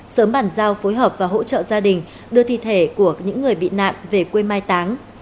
sớm bàn giao phối hợp và hỗ trợ gia đình đưa thi thể của những người bị nạn về quê mai táng